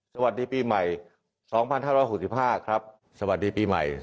สวัสดีปีใหม่สองพันห้าร้อยหกสิบห้าครับสวัสดีปีใหม่